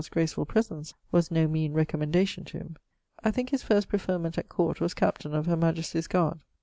's gracefull presence was no meane recommendation to him). I thinke his first preferment at Court was Captaine of her Majestie's guard.